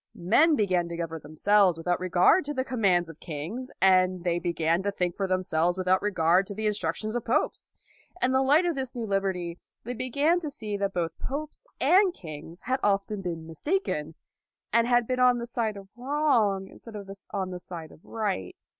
Men began to govern themselves without regard to the com mands of kings, and they began to think for themselves without regard to the in structions of popes. In the light of this new liberty, they began to see that both popes and kings had often been mistaken, and had been on the side of wrong in stead of on the side of right.